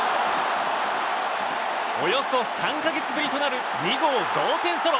およそ３か月ぶりとなる２号同点ソロ！